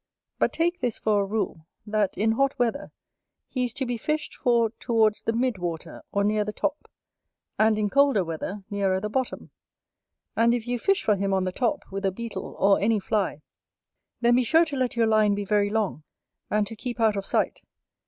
But take this for a rule, that, in hot weather, he is to be fished for towards the mid water, or near the top; and in colder weather, nearer the bottom; and if you fish for him on the top, with a beetle, or any fly, then be sure to let your line be very long, and to keep out of sight.